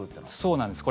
そうなんです。